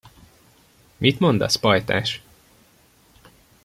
Mit mondasz, pajtás?